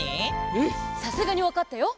うんさすがにわかったよ！